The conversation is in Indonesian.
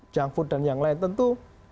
junk food dan yang lain tentu